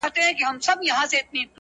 پر ښار ختلې د بلا ساه ده.!